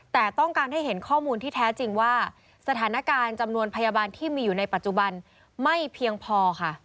แต่ต้องการให้เห็นข้อมูลที่แท้จริงว่าสถานการณ์จำนวนพยาบาลที่มีอยู่ในปัจจุบันไม่เพียงพอค่ะ